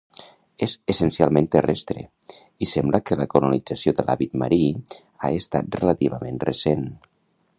És essencialment terrestre, i sembla que la colonització de l'hàbitat marí ha estat relativament recent.